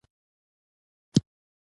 حلیمې پوډر د جادوګر په چای کې واچول.